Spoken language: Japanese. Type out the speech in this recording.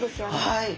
はい。